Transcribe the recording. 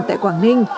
tại quảng ninh